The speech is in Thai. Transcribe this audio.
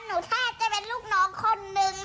แทบจะเป็นลูกน้องคนนึง